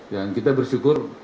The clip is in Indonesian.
dan kita bersyukur